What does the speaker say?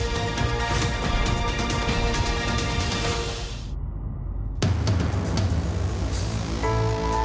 วันที่สุดท้าย